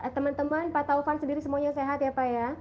teman teman pak taufan sendiri semuanya sehat ya pak ya